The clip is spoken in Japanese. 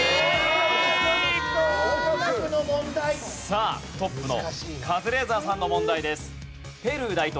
さあトップのカズレーザーさんの問題です。